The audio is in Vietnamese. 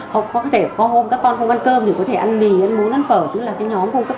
không có thể có hôm các con không ăn cơm thì có thể ăn mì ăn muối ăn phở chứ là cái nhóm cung cấp